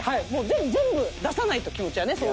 全部出さないと気持ちは。